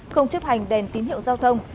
không chấp hành đèn tín hiệu giao thông